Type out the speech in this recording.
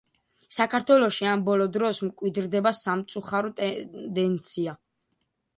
საქართველოში ამ ბოლო დროს მკვიდრდება სამწუხარო ტენდენცია.